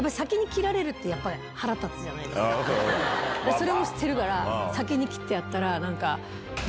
それも知ってるから先に切ってやったら。